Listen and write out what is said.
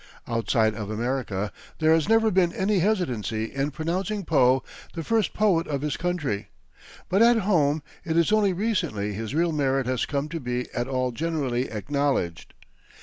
Outside of America, there has never been any hesitancy in pronouncing Poe the first poet of his country; but, at home, it is only recently his real merit has come to be at all generally acknowledged.